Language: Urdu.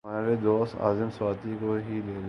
ہمارے دوست اعظم سواتی کو ہی لے لیں۔